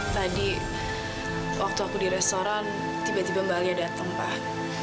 tadi waktu aku di restoran tiba tiba mbak alia datang pak